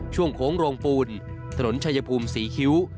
โค้งโรงปูนถนนชายภูมิศรีคิ้ว